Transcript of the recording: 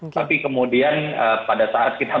tapi kemudian pada saat kita